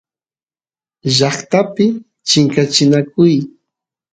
llaqtapi chinkachinakuy